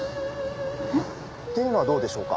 えっ？っていうのはどうでしょうか？